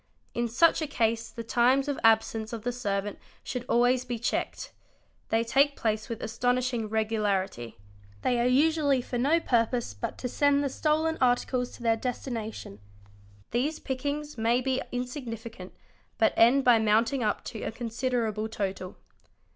In "such a case the times of absence of the servant should always be checked. They take place with astonishing regularity. They are usually for no ia purpose but to send the stolen articles to their destination. These pick ings may be insignificant but end by mounting up to a considerable total.